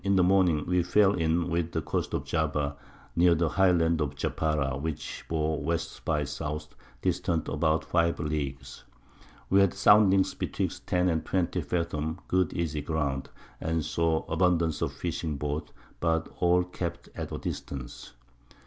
In the Morning we fell in with the Coast of Java, near the high Land of Japara, which bore W. by S. distant about 5 Leagues. We had Soundings betwixt 10 and 20 Fathom good easy Ground, and saw abundance of Fishing boats, but all kept at a Distance.